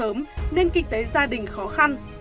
do bố mất sớm nên kinh tế gia đình khó khăn